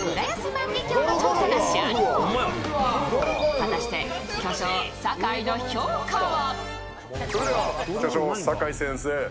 果たして、巨匠・酒井の評価は？